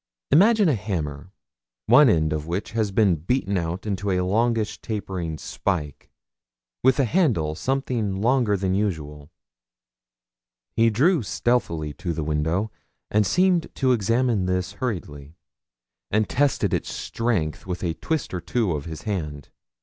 Imagine a hammer, one end of which had been beaten out into a longish tapering spike, with a handle something longer than usual. He drew stealthily to the window, and seemed to examine this hurriedly, and tested its strength with a twist or two of his hand.